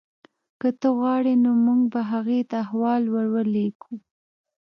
که ته غواړې نو موږ به هغې ته احوال ورلیږو